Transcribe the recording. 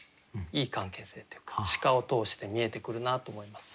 いい関係性っていうか鹿を通して見えてくるなあと思います。